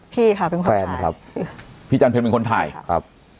พี่ค่ะเป็นแฟนครับพี่จันเพลเป็นคนถ่ายครับ